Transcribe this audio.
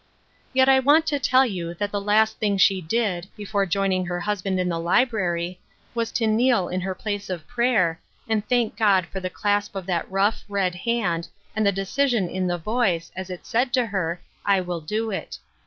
Yet I want to tell you that the last thing she did, before joining her husband in the library, was to kneel in her place of prayer, and thank God for the clasp of that rough, red hand, and the decision in the voice, as it said to her, " I will do it."